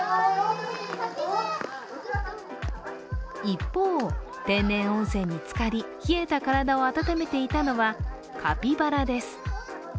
一方、天然温泉につかり冷えた体を温めていたのはカピバラです。